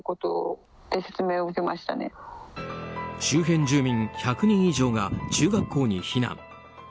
周辺住民１００人以上が中学校に避難。